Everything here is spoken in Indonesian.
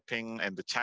di menu chat